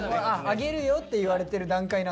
「あげるよ」って言われてる段階なんだ。